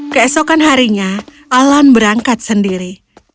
keesokan harinya alan berangkat sendiri